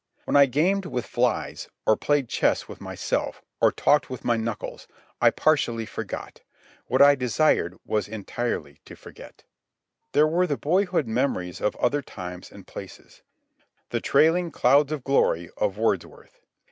When I gamed with flies, or played chess with myself, or talked with my knuckles, I partially forgot. What I desired was entirely to forget. There were the boyhood memories of other times and places—the "trailing clouds of glory" of Wordsworth.